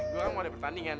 gue mau lewat pertandingan